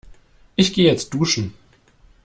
Ich geh jetzt duschen.